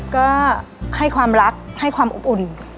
ก็ให้ความรักให้ความอบอุ่น